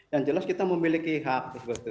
yang jelas kita memiliki hak